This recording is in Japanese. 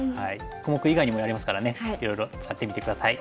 小目以外にもやりますからねいろいろ使ってみて下さい。